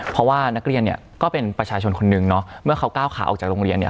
เพราะว่านักเรียนเนี่ยก็เป็นประชาชนคนนึงเนาะเมื่อเขาก้าวขาออกจากโรงเรียนเนี่ย